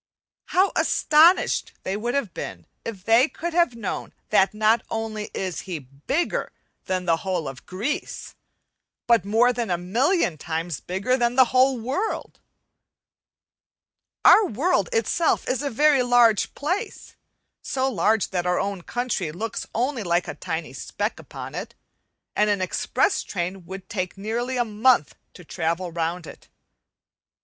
How astonished they would have been if they could have known that not only is he bigger than the whole of Greece, but more than a million times bigger than the whole world! Our world itself is a very large place, so large that our own country looks only like a tiny speck upon it, and an express train would take nearly a month to travel round it.